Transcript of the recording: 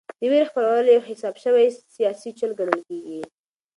د وېرې خپرول یو حساب شوی سیاسي چل ګڼل کېږي.